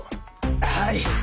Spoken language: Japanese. はい。